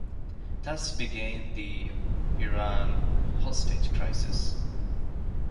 Thus began the Iran hostage crisis.